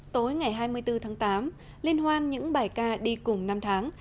tối ngày hai mươi bốn tháng tám liên hoan những bài ca đi cùng năm tháng